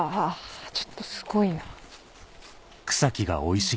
ちょっとすごいな。